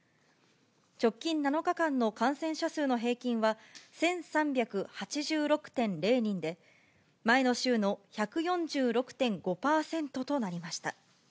直近７日間の感染者数の平均は、１３８６．０人で、前の週の１４６．５％となりました。